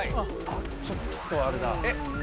ちょっとあれだ。